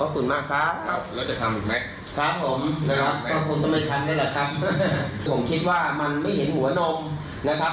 ผมคิดว่ามันไม่เห็นหัวนมนะครับ